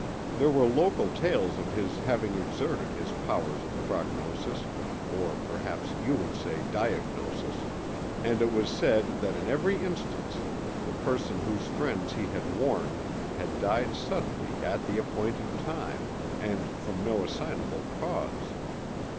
There were local tales of his having exerted his powers of prognosis, or perhaps you would say diagnosis; and it was said that in every instance the person whose friends he had warned had died suddenly at the appointed time, and from no assignable cause.